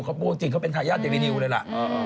บับโมจิ่งเขาเป็นทายญาติเดรินิวเลยล่ะ